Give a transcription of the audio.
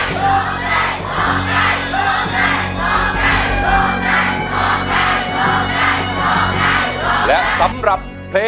โฆ่ง่ายโฆ่ง่าย